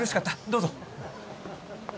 どうぞ。